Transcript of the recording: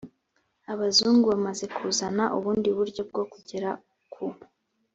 abazungu bamaze kuzana ubundi buryo bwo kugera ku